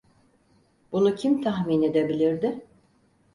Bunu kim tahmin edebilirdi?